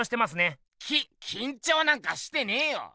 ききんちょうなんかしてねえよ。